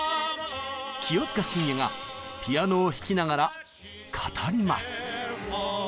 清塚信也がピアノを弾きながら語ります！